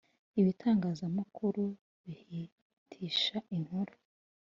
ibitangazamakuru bihitisha inkuru.